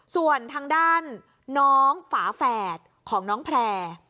ส่วนทางด้านน้องฝาแฝดของน้องแพร่